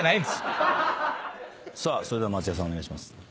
それでは松也さんお願いします。